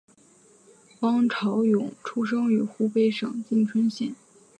汪潮涌出生于湖北省蕲春县。